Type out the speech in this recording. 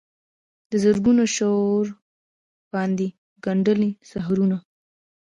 د زرکو شور باندې ګندلې سحرونه